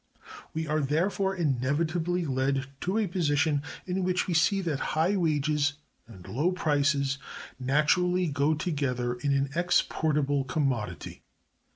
We are, therefore, inevitably led to a position in which we see that high wages and low prices naturally go together in an exportable commodity.